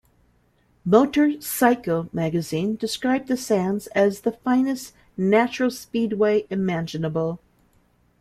"Motor Cycle" magazine described the sands as "the finest natural speedway imaginable".